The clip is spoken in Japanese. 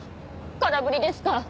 空振りですか？